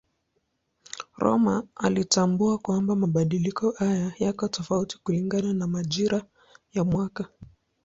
Rømer alitambua kwamba mabadiliko haya yako tofauti kulingana na majira ya mwaka.